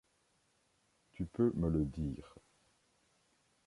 tu peux me le dire.